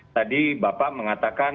tadi bapak mengatakan